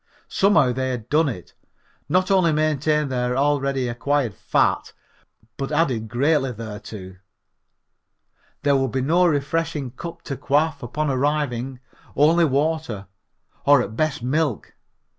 Somehow they had done it, not only maintained their already acquired fat but added greatly thereto. There would be no refreshing cup to quaff upon arriving, only water, or at best milk.